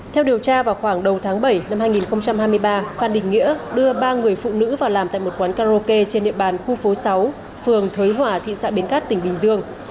theo điều tra vào khoảng đầu tháng bảy năm hai nghìn hai mươi ba phan đình nghĩa đưa ba người phụ nữ vào làm tại một quán karaoke trên địa bàn khu phố sáu phường thới hỏa thị xã bến cát tỉnh bình dương